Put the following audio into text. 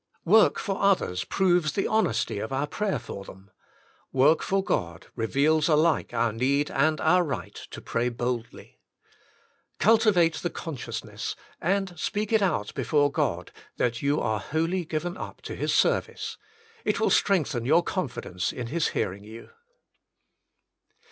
Work for others proves the honesty of our prayer for them. Work for God reveals alike our need and our right to pray boldly. Cultivate the consciousness, and speak it out before God, that you are wholly given up to His service; it will strengthen your confidence in His hearing you.